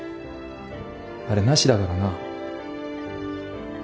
あれなしだからな。